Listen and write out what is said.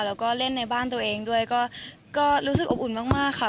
แล้วก็เล่นในบ้านตัวเองด้วยก็รู้สึกอบอุ่นมากค่ะ